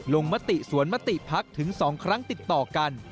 มติสวนมติพักถึง๒ครั้งติดต่อกัน